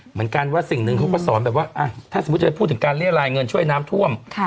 เหมือนกันว่าสิ่งหนึ่งเขาก็สอนแบบว่าถ้าสมมุติจะพูดถึงการเรียรายเงินช่วยน้ำท่วม